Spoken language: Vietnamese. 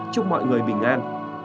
chúc mọi người bình an